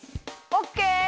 オッケー！